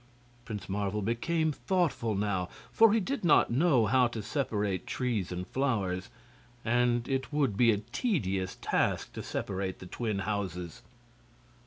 Prince Marvel became thoughtful now, for he did not know how to separate trees and flowers, and it would be a tedious task to separate the twin houses.